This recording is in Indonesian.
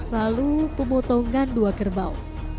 lalu pemotongan dua kerbau